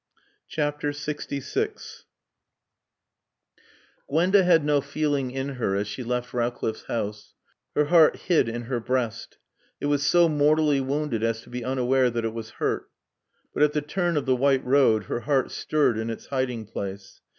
LXVI Gwenda had no feeling in her as she left Rowcliffe's house. Her heart hid in her breast. It was so mortally wounded as to be unaware that it was hurt. But at the turn of the white road her heart stirred in its hiding place.